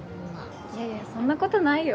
いやいやそんなことないよ。